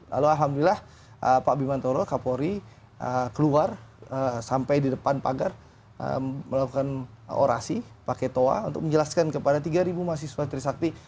lalu alhamdulillah pak bimantoro kapori keluar sampai di depan pagar melakukan orasi pakai toa untuk menjelaskan kepada tiga mahasiswa trisakti